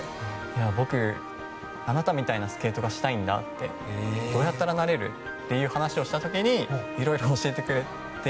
僕、あなたみたいなスケートがしたいんだってどうやったらなれる？っていう話をした時にいろいろ教えてくれて。